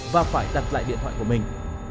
và phải đặt lại điện thoại của mình